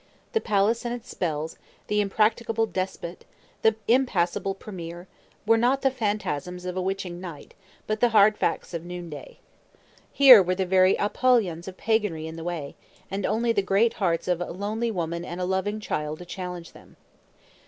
The palace and its spells, the impracticable despot, the impassible premier, were not the phantasms of a witching night, but the hard facts of noonday. Here were the very Apollyons of paganry in the way, and only the Great Hearts of a lonely woman and a loving child to challenge them.